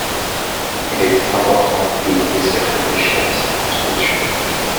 Il était important de nous laisser réfléchir à sa construction.